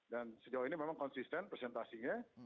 dan sejauh ini memang konsisten presentasinya